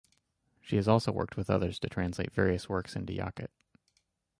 She has also worked with others to translate various works into Yakut.